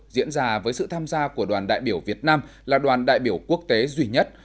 diễn ra với sự tham gia của đoàn đại biểu việt nam là đoàn đại biểu quốc tế duy nhất